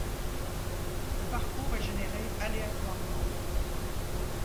Le parcours est généré aléatoirement.